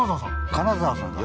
金沢さんが。